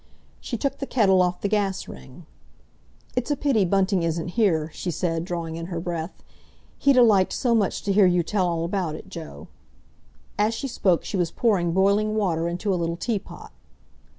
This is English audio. She took the kettle off the gas ring. "It's a pity Bunting isn't here," she said, drawing in her breath. "He'd a liked so much to hear you tell all about it, Joe." As she spoke she was pouring boiling water into a little teapot.